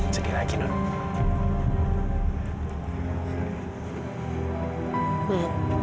sedih lagi nona